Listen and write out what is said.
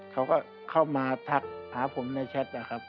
เขาก็เข้ามาทักมีทางภาพผมในแชทครับ